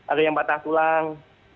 ada yang patah tulang